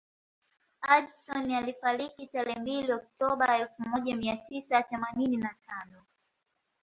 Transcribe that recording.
Hudson alifariki tarehe mbili Oktoba elfu moja mia tisa themanini na tano